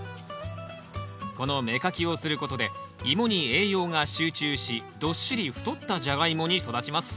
この芽かきをすることでイモに栄養が集中しどっしり太ったジャガイモに育ちます。